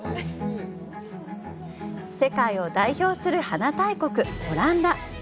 世界を代表する花大国・オランダ。